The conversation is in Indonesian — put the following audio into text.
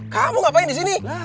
kamu ngapain di sini